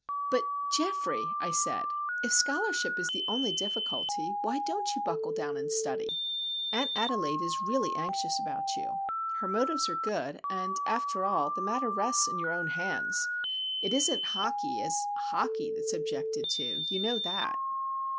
"But, Geoffrey," I said, "if scholarship is the only difficulty, why don't you buckle down and study? Aunt Adelaide is really anxious about you. Her motives are good,—and, after all, the matter rests in your own hands,—it isn't hockey, as hockey, that is objected to. You know that."